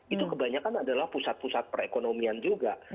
itu kebanyakan adalah pusat pusat perekonomian juga